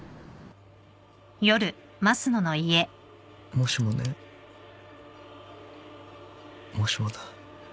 もしもねもしもだ。